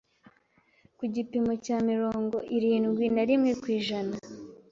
ku gipimo cya mirongo irindwi na rimwe kw’ijana